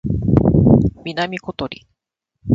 南ことり